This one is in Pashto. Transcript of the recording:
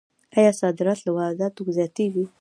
آیا صادرات له وارداتو زیاتیږي؟